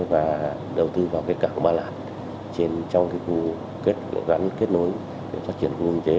và đầu tư vào cảng ba lạt trong khu kết nối phát triển nguyên chế